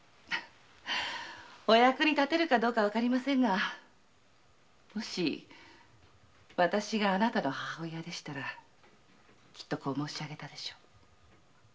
お役に立てるかどうかわかりませんがもしわたしがあなたの母親ならきっとこう申し上げたでしょう。